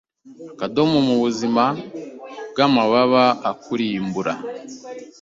Akadomo mubuzima bwamababa akurimbura